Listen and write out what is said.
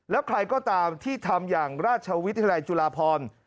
แล้วใครก็ตามที่ทำอย่างราชวิทยาลัยจุฬาพร